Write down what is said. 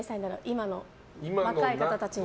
今の若い方たちに。